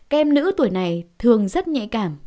các em nữ tuổi này thường rất nhạy cảm